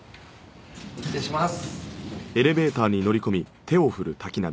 失礼します。